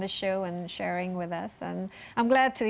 dan saya senang mendengar bahwa kita sebenarnya